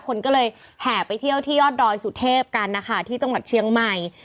คนก็เลยแห่ไปเที่ยวที่ยอดดอยสุเทพกันนะคะที่จังหวัดเชียงใหม่